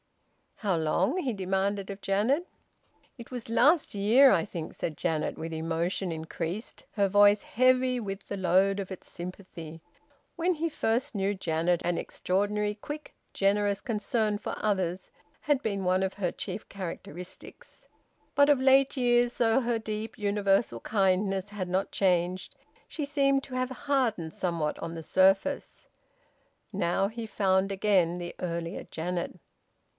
"How long?" he demanded of Janet. "It was last year, I think," said Janet, with emotion increased, her voice heavy with the load of its sympathy. When he first knew Janet an extraordinary quick generous concern for others had been one of her chief characteristics. But of late years, though her deep universal kindness had not changed, she seemed to have hardened somewhat on the surface. Now he found again the earlier Janet.